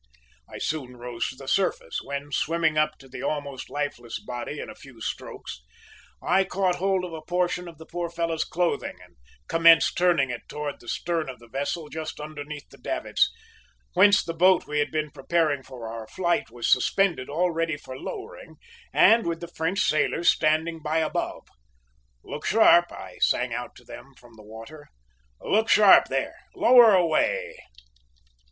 "I soon rose to the surface, when, swimming up to the almost lifeless body in a few strokes, I caught hold of a portion of the poor fellow's clothing and commenced turning it towards the stern of the vessel just underneath the davits, whence the boat we had been preparing for our flight was suspended all ready for lowering, and with the French sailors standing by above. "`Look sharp!' I sang out to them from the water. `Look sharp, there! Lower away!'